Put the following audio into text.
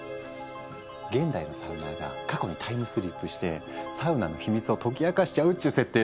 現代のサウナーが過去にタイムスリップしてサウナの秘密を解き明かしちゃうっちゅう設定で。